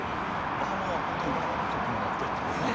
バカ者は本当にバカだからとっぴもないことを言ってくれる。